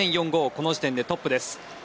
この時点でトップです。